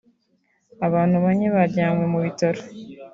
abantu bane bajyanywe mu bitaro